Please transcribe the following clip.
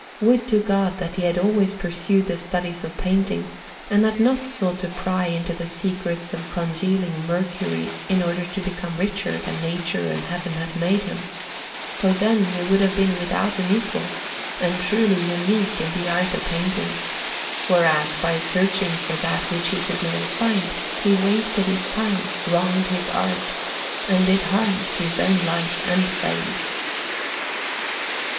Would to God that he had always pursued the studies of painting, and had not sought to pry into the secrets of congealing mercury in order to become richer than Nature and Heaven had made him; for then he would have been without an equal, and truly unique in the art of painting, whereas, by searching for that which he could never find, he wasted his time, wronged his art, and did harm to his own life and fame.